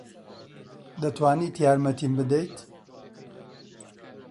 دەتوانیت یارمەتیم بدەیت؟